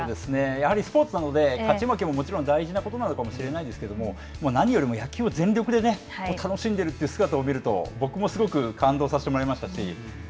やはりスポーツなので、勝ち負けももちろん大事なことなのかもしれないけれども、何よりも野球を全力で楽しんでるという姿を見ると、僕もすごく感動さしてもらいましたし。